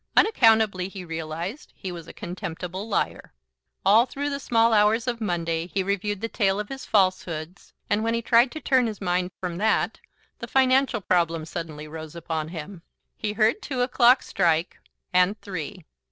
Unaccountably he realised he was a contemptible liar, All through the small hours of Monday he reviewed the tale of his falsehoods, and when he tried to turn his mind from that, the financial problem suddenly rose upon him. He heard two o'clock strike, and three.